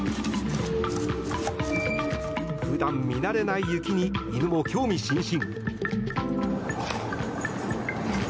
普段見慣れない雪に犬も興味津々。